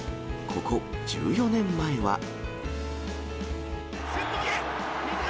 ここ、１４年前は。